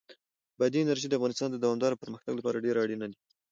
بادي انرژي د افغانستان د دوامداره پرمختګ لپاره ډېر اړین دي.